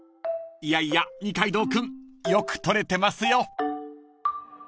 ［いやいや二階堂君よく撮れてますよ］